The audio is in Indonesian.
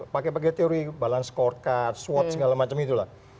pakai pakai teori balance score card swot segala macam itulah